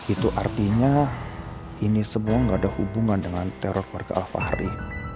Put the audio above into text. itu artinya ini semua nggak ada hubungan dengan teror warga al fahri